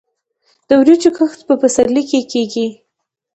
د وریجو کښت په پسرلي کې کیږي.